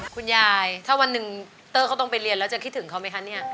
คุณยายถ้าวันหนึ่งเตอร์เขาต้องไปเรียนแล้วจะคิดถึงเขาไหมคะเนี่ย